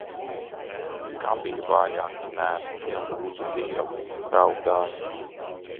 Kam bija vājāki nervi tie lūdza Dievu, raudāja.